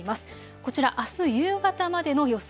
こちら、あす夕方までの予想